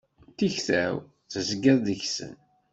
Tikta-w, tezgiḍ deg-sen.